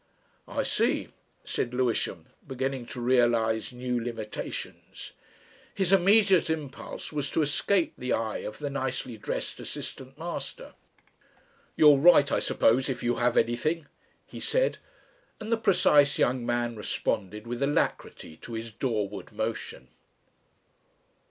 "I see," said Lewisham, beginning to realise new limitations. His immediate impulse was to escape the eye of the nicely dressed assistant master. "You'll write, I suppose, if you have anything," he said, and the precise young man responded with alacrity to his door ward motion.